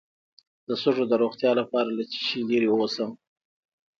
د سږو د روغتیا لپاره له څه شي لرې اوسم؟